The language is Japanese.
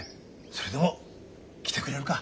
それでも来てくれるか？